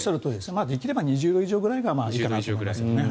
できれば２０度ぐらいがいいかなと思いますね。